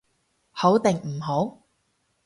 好定唔好？